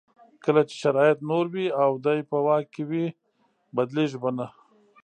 کله چې شرایط نور وي او دی په واک کې وي بدلېږي به نه.